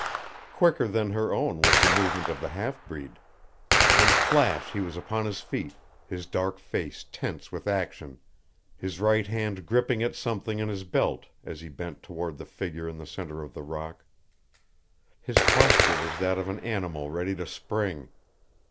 Quicker than her own was the movement of the half breed. In a flash he was upon his feet, his dark face tense with action, his right hand gripping at something in his belt as he bent toward the figure in the center of the rock. His posture was that of an animal ready to spring.